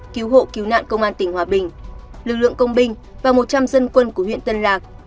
cứu hộ cứu nạn công an tỉnh hòa bình lực lượng công binh và một trăm linh dân quân của huyện tân lạc